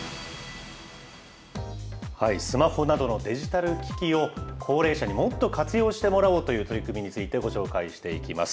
スマホなどのデジタル機器を高齢者にもっと活用してもらおうという取り組みについてご紹介していきます。